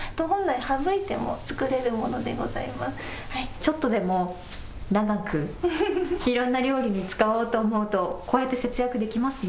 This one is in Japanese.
ちょっとでも長くいろんな料理に使おうと思うと、こうやって節約できますね。